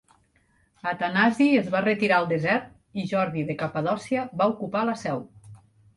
Atanasi es va retirar al desert i Jordi de Capadòcia va ocupar la seu.